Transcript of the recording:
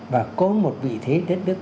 và có một vị thế đất nước